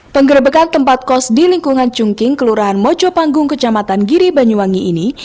penggrebekan tempat kos di lingkungan cungking kelurahan mojo panggung kecamatan giri banyuwangi ini